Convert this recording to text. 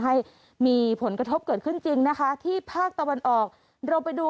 ให้มีผลกระทบเกิดขึ้นจริงนะคะที่ภาคตะวันออกเราไปดู